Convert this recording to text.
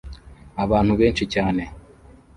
Abantu benshi cyane